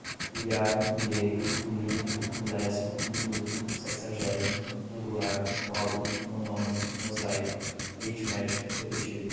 milhar, milheiro, milímetro, milésima, minuto, sexagésima, angular, módulo, monômio, mosaico, aritmética, repetida